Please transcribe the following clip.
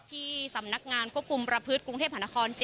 ที่สำนักงานควบคุมประพฤติกรุงเทพหานคร๗